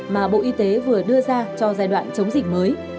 mà bộ y tế vừa đưa ra cho giai đoạn chống dịch mới